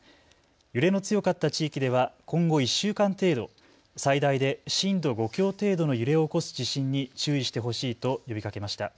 揺れの強かった地域では今後１週間程度、最大で震度５強程度の揺れを起こす地震に注意してほしいと呼びかけました。